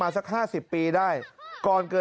มันตายมาแล้วมันตายมาแล้ว